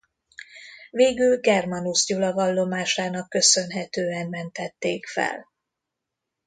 Végül Germanus Gyula vallomásának köszönhetően mentették fel.